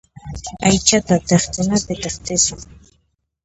Aychata thiqtinapi thiqtisun.